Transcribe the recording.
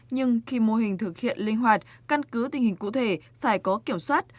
nhưng khi mô hình thực hiện linh hoạt căn cứ tình hình cụ thể phải có kiểm soát